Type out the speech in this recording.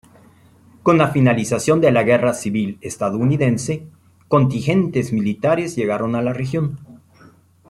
Con la finalización de la Guerra Civil Estadounidense contingentes militares llegaron a la región.